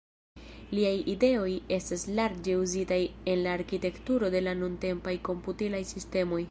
Liaj ideoj estas larĝe uzitaj en la arkitekturo de la nuntempaj komputilaj sistemoj.